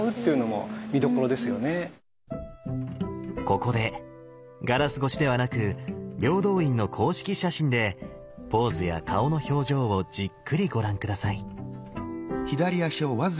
ここでガラス越しではなく平等院の公式写真でポーズや顔の表情をじっくりご覧下さい。